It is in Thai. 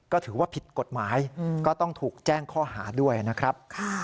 ก็ถือว่าผิดกฎหมายก็ต้องถูกแจ้งข้อหาด้วยนะครับ